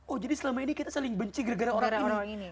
oh jadi selama ini kita saling benci gara gara orang ini